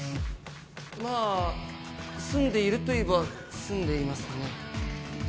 まあ住んでいるといえば住んでいますね。